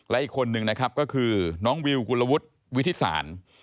และอีกคนนึงนะครับก็คือน้องวิวกุลวุฒิวิทธิศาล